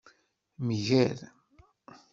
Mger.